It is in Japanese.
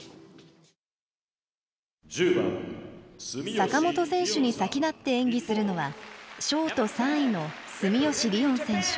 坂本選手に先立って演技するのはショート３位の住吉りをん選手。